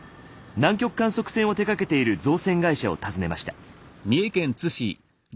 南極観測船を手がけている造船会社を訪ねました。